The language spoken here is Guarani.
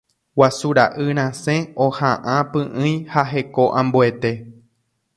Guasu ra'y rasẽ oha'ã py'ỹi ha heko ambuete.